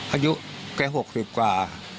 อายุแก่หกสิบกว่า